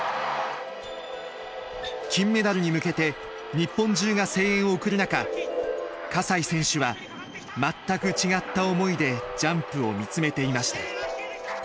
金メダルに向けて日本中が声援を送る中西選手は全く違った思いでジャンプを見つめていました。